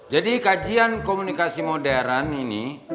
jadi kajian komunikasi modern ini